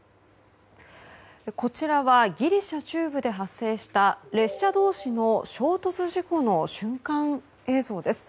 こちらはギリシャ中部で発生した列車同士の衝突事故の瞬間映像です。